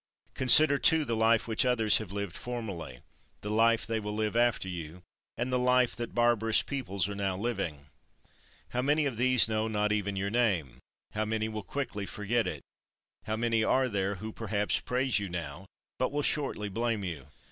Consider, too, the life which others have lived formerly, the life they will live after you, and the life that barbarous peoples are now living. How many of these know not even your name; how many will quickly forget it; how many are there who perhaps praise you now, but will shortly blame you.